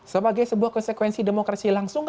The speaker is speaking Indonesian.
sebagai sebuah konsekuensi demokrasi langsung